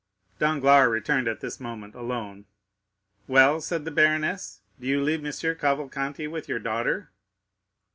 Danglars returned at this moment alone. "Well," said the baroness, "do you leave M. Cavalcanti with your daughter?"